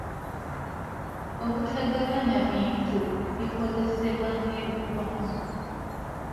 Obutagabana bintu bikozesebwa ng'ebikwanso.